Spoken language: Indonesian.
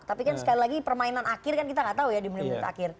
tapi kan sekali lagi permainan akhir kan kita nggak tahu ya di menit menit akhir